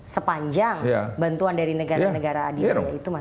sepanjang bantuan dari negara negara adil itu masuk